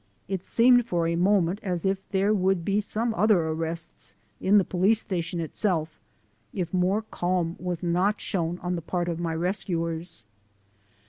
It seemed for a moment as if there would be some other arrests, in the police station itself, if more calm was not shown on the part of my rescuers.